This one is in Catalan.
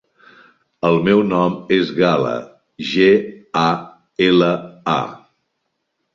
El meu nom és Gala: ge, a, ela, a.